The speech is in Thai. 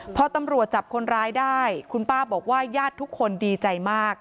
พอตำรวจจับคนร้ายได้คุณป้าบอกว่าญาติทุกคนดีใจมาก